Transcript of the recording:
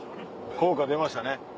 効果出ましたね。